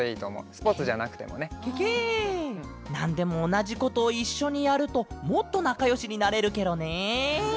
なんでもおなじことをいっしょにやるともっとなかよしになれるケロね。